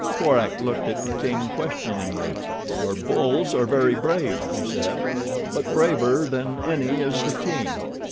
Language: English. Korak looked at the king, questioningly. "Your bulls are very brave," he said; "but braver than any is the king."